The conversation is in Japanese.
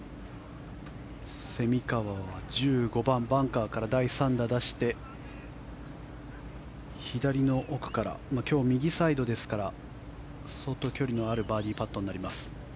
蝉川は１５番、バンカーから第３打、出して左の奥から今日、右サイドですから相当距離のあるバーディーパットになります。